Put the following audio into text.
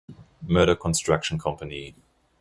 Murdock Construction Company.